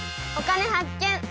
「お金発見」。